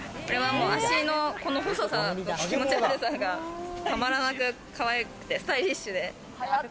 足のこの細さが気持ち悪さがたまらなくかわいくて、スタイリッシュで。